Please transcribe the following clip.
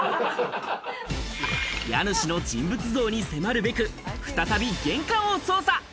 家主の人物像に迫るべく、再び玄関を捜査。